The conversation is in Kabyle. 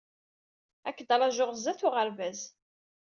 Ad ak-d-rajuɣ sdat n uɣerbaz